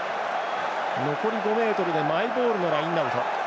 残り５ｍでマイボールのラインアウト。